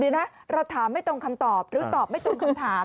เดี๋ยวนะเราถามไม่ตรงคำตอบหรือตอบไม่ตรงคำถาม